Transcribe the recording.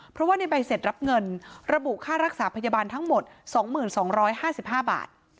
เพราะว่าในใบเสร็จรับเงินระบุค่ารักษาพยาบาลทั้งหมด๒๒๕๕บาท